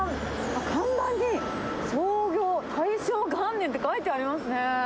看板に創業大正元年って書いてあ